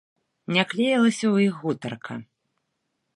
Не клеілася ў іх гутарка.